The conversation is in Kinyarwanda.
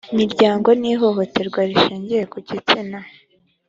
miryango n ihohoterwa rishingiye ku gitsina